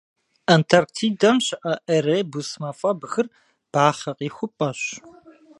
Антарктидэм щыӏэ Эребус мафӏэбгыр бахъэ къихупӏэщ.